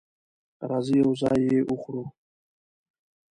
راځئ یو ځای یی وخورو